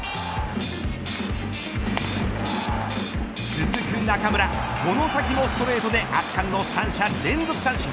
続く中村、外崎もストレートで圧巻の三者連続三振。